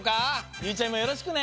ゆうちゃみもよろしくね。